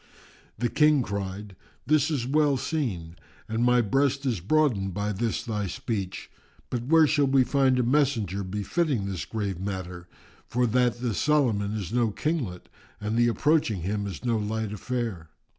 The King cried, "This is well seen, and my breast is broadened by this thy speech; but where shall we find a messenger befitting this grave matter, for that this Solomon is no Kinglet and the approaching him is no light affair?